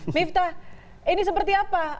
miftah ini seperti apa